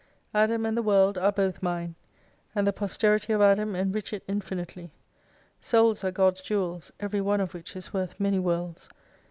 Adam and the World are both mine. And the posterity of Adam enrich it infinitely. Souls are God's jewels, every one of which is worth many worlds.